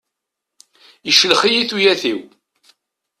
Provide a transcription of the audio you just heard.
Iclex-iyi tuyat-iw.